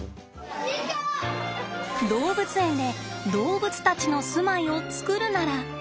動物園で動物たちの住まいを作るなら。